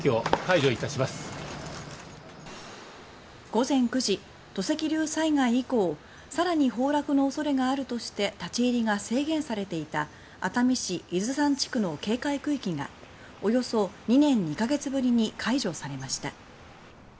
午前９時土石流災害以降さらに崩落のおそれがあるとして立ち入りが制限されていた熱海市伊豆山地区の警戒区域がおよそ２年２か月ぶりに解除されました。